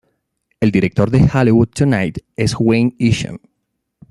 El director de "Hollywood Tonight" es Wayne Isham.